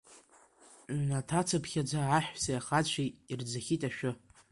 Ҩнаҭа цыԥхьаӡа аҳәсеи ахацәеи ирӡахит ашәы.